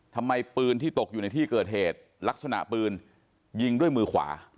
ทำไมปืนที่ตกอยู่ในที่เกิดเหตุลักษณะปืนยิงด้วยมือขวา